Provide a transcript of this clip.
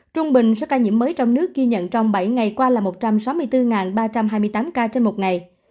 trung bình số ca nhiễm mới trong nước ghi nhận trong bảy ngày qua là một trăm sáu mươi bốn ba trăm hai mươi tám ca trên một ngày